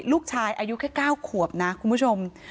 ลูกชายอายุแค่๙ขวบนะคุณผู้ชม